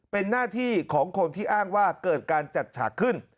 เป็นหน้าที่ของคนที่อ้างว่าเกิดการจัดฉากขึ้น